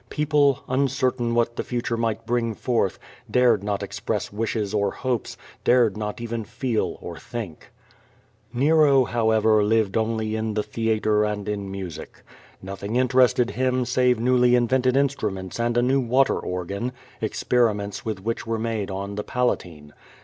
People, uncertain what the future might bring forth, dared not express wishes or hopes, dared not even feel or think. Nero, however, lived only in the theatre and in music. *In Latin this involves a pun u|)dn Gallus, a cock. 5il QVO VADIS. Nothing interested liim save newly invented instruments and a new water organ, experiments with which were made on the Palatine.